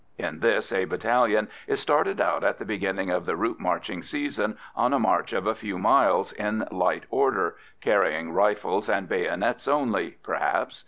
In this, a battalion is started out at the beginning of the route marching season on a march of a few miles, in light order carrying rifles and bayonets only, perhaps.